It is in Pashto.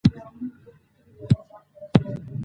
بامیان د افغان نجونو د پرمختګ لپاره ښه فرصتونه برابروي.